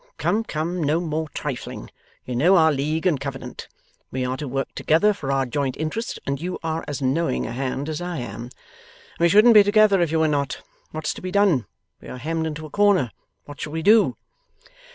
Come, come; no more trifling. You know our league and covenant. We are to work together for our joint interest, and you are as knowing a hand as I am. We shouldn't be together, if you were not. What's to be done? We are hemmed into a corner. What shall we do?